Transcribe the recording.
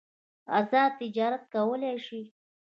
ازاد تجارت کولای شي.